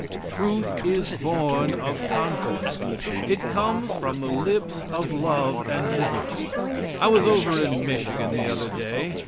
Truth is born of confidence. It comes from the lips of love and liberty. I was over in Michigan the other day.